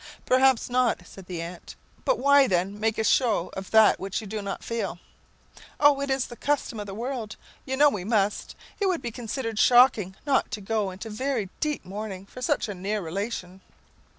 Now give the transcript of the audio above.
"Perhaps not," said the aunt. "But why, then, make a show of that which you do not feel?" "Oh, it's the custom of the world. You know we must. It would be considered shocking not to go into very deep mourning for such a near relation."